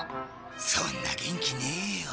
そんな元気ねえよ。